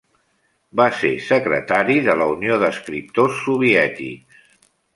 Va ser secretari de la Unió d'Escriptors Soviètics.